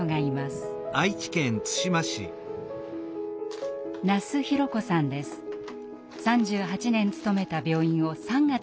３８年勤めた病院を３月に定年退職。